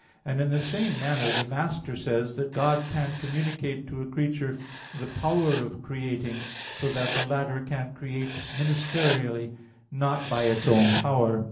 And in the same manner the Master says (Sent. iv, D, 5) that God can communicate to a creature the power of creating, so that the latter can create ministerially, not by its own power.